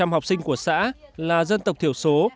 một trăm linh học sinh của xã là dân tộc thiểu số